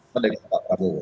pak dekat pabu